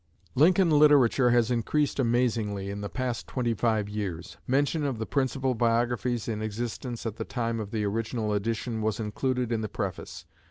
Lincoln literature has increased amazingly in the past twenty five years. Mention of the principal biographies in existence at the time of the original edition was included in the Preface.